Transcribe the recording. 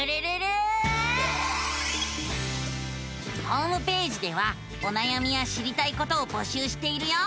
ホームページではおなやみや知りたいことを募集しているよ。